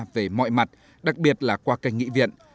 về mọi mặt đặc biệt là qua kênh nghị viện